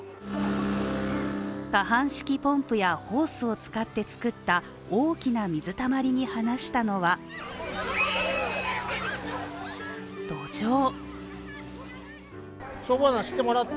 可搬式ポンプやホースを使って作った大きな水たまりに放したのはどじょう。